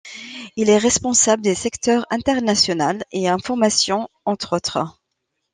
Il est responsable des secteurs international et information - entre autres.